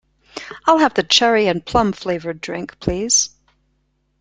I'll have the cherry and plum flavoured drink please.